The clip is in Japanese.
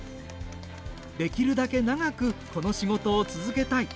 できるだけ長くこの仕事を続けたい。